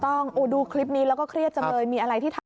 ดูคลิปนี้แล้วก็เครียดจังเลยมีอะไรที่ทำ